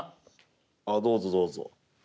あっどうぞどうぞ。